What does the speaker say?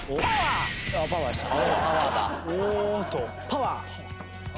パワー。